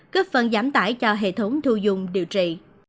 cấp phần giảm tải cho hệ thống thu dung điều trị